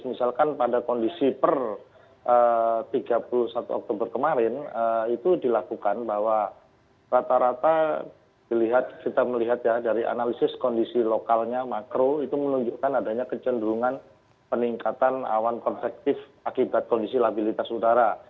misalkan pada kondisi per tiga puluh satu oktober kemarin itu dilakukan bahwa rata rata kita melihat ya dari analisis kondisi lokalnya makro itu menunjukkan adanya kecenderungan peningkatan awan konvektif akibat kondisi labilitas udara